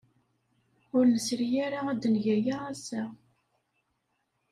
Ur nesri ara ad neg aya ass-a.